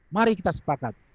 mari kita sepakat